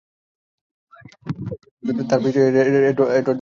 তাঁর পিতা ছিলেন এডওয়ার্ড জন অ্যান্ডারসন।